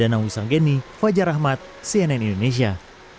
dan juga melakukan peristiwa yang sangat berkesan